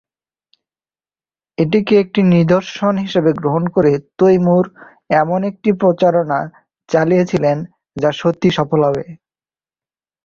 এটিকে একটি নিদর্শন হিসেবে গ্রহণ করে তৈমুর এমন একটি প্রচারণা চালিয়েছিলেন যা সত্যিই সফল হবে।